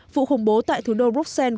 vụ khủng bố tại thủ đô bruxelles